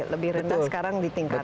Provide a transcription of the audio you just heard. lebih rendah sekarang ditingkatkan